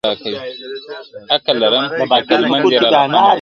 عقل لرم عقل مندي راله خوند نه راکوي